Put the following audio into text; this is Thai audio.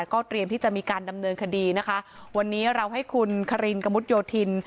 ก็เตรียมที่จะมีการดำเนินคดีนะคะวันนี้เราให้คุณคารินกระมุดโยธิน